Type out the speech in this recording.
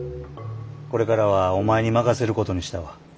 これからはお前に任せることにしたわ。